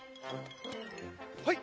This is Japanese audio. はい。